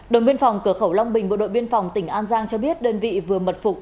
đồng biên phòng cửa khẩu long bình bộ đội biên phòng tỉnh an giang cho biết đơn vị vừa mật phục